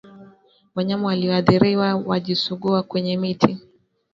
wanyama walioathiriwa wajisugua kwenye miti